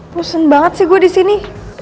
pusen banget sih gue disini